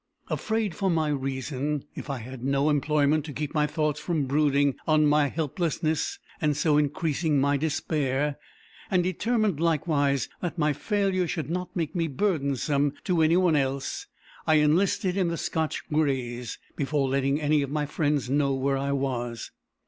Afraid for my reason, if I had no employment to keep my thoughts from brooding on my helplessness, and so increasing my despair, and determined likewise that my failure should not make me burdensome to any one else, I enlisted in the Scotch Greys, before letting any of my friends know where I was.